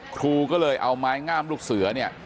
ครูก็เลยเอาไม้งามลูกเสือเนี่ย